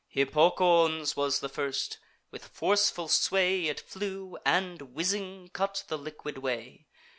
Hippocoon's was the first: with forceful sway It flew, and, whizzing, cut the liquid way.